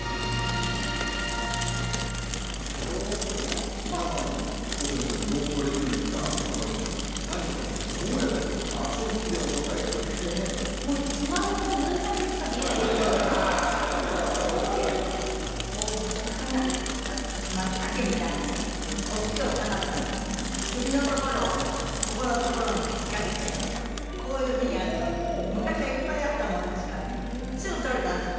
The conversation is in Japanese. はい皆さんのお手元に道具のレプリカお配りしました何をとるのかどうやってとるのかアクションつきでお答えいただきますそうですねどういう魚まあ鮭みたいなね大きいお魚の首のところをここのところに引っ掛けてこういうふうにやると昔はいっぱいあったもんですからねすぐとれたんですよ